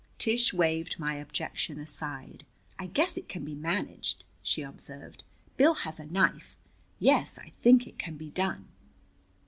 Tish waved my objection aside. "I guess it can be managed," she observed. "Bill has a knife. Yes, I think it can be done."